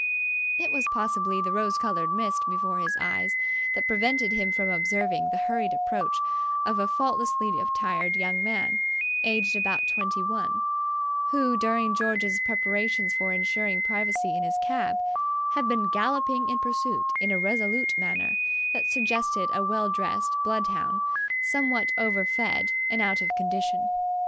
It was possibly the rose coloured mist before his eyes that prevented him from observing the hurried approach of a faultlessly attired young man, aged about twenty one, who during George's preparations for ensuring privacy in his cab had been galloping in pursuit in a resolute manner that suggested a well dressed bloodhound somewhat overfed and out of condition.